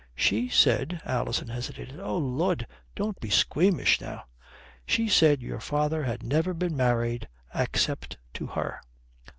"She said " Alison hesitated. "Oh Lud, don't be squeamish now." "She said your father had never been married except to her."